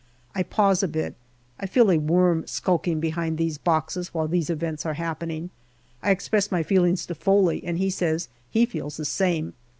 I pause a bit. I feel a worm skulking behind these boxes while these events are happening. I express my feelings to Foley, and he says he feels the same.